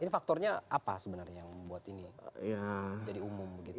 ini faktornya apa sebenarnya yang membuat ini jadi umum begitu